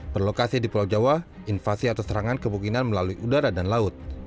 berlokasi di pulau jawa invasi atau serangan kemungkinan melalui udara dan laut